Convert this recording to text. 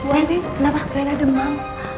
buantin lena demam